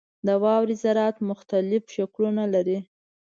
• د واورې ذرات مختلف شکلونه لري.